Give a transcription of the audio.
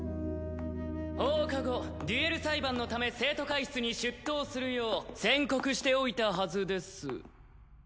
放課後デュエル裁判のため生徒会室に出頭するよう宣告しておいたはずです。